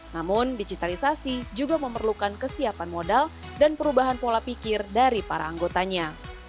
namun digitalisasi juga memerlukan kesiapan modal dan perubahan pola pikir dari para anggotanya